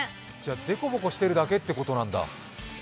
凸凹してるだけってことなんだ。